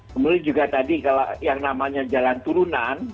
kemudian juga tadi kalau yang namanya jalan turunan